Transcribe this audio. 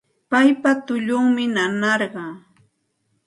Paypa tullunmi nanarqan